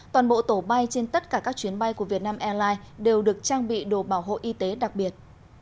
toàn bộ tổ bay trên tất cả các chuyến bay của vietnam airlines đều được trang bị đồ bảo hộ y tế đặc biệt